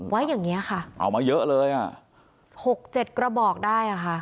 ไว้อย่างเงี้ยค่ะเอามาเยอะเลยอ่ะหกเจ็ดกระบอกได้อ่ะค่ะ